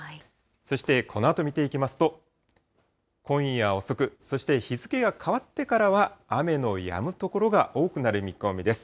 そしてこのあと見ていきますと、今夜遅く、そして日付が変わってからは、雨のやむ所が多くなる見込みです。